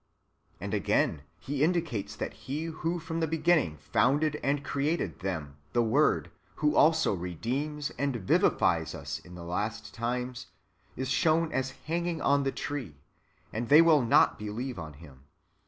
"^ And again, he indicates that He who from the beginning founded and created them, the Word, who also redeems and vivifies us in the last times, is shown as hanging on the tree, and they will not believe on Him.